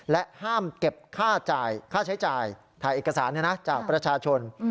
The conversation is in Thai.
ห้ามเก็บค่าใช้จ่ายถ่ายเอกสารจากประชาชน